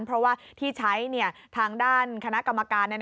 เพราะว่าที่ใช้ทางด้านคณะกรรมการ